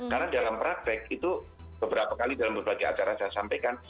karena dalam praktek itu beberapa kali dalam berbagai acara saya sampaikan